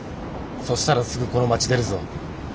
そしたらすぐこの街出るぞ。